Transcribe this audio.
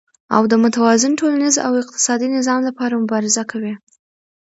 او د متوازن ټولنيز او اقتصادي نظام لپاره مبارزه کوي،